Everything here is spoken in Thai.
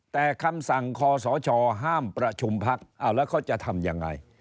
แต่คำสั่งคอสชห้ามประชุมพักแล้วเขาจะทำยังไง